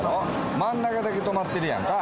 真ん中だけ止まってるやんか。